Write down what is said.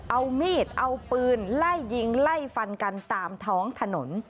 เอามีดเอาปืนไล่ยิงไล่ฟันกันตามท้องถนน